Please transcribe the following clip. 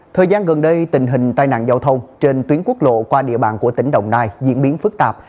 thời gian gần đây tình hình tai nạn giao thông trên tuyến quốc lộ qua địa bàn của tỉnh đồng nai diễn biến phức tạp